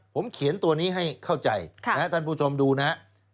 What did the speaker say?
ผมเขียนตัวนี้ให้เข้าใจท่านผู้ชมดูนะครับ